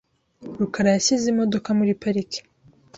rukara yashyize imodoka muri parike .